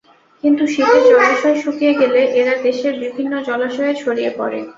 কিন্তু শীতে জলাশয় শুকিয়ে গেলে এরা দেশের বিভিন্ন জলাশয়ে ছড়িয়ে পড়ে।